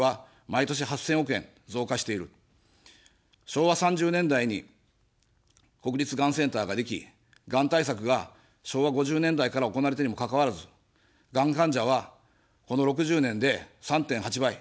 昭和３０年代に国立がんセンターができ、がん対策が昭和５０年代から行われたにもかかわらず、がん患者は、この６０年で３．８倍。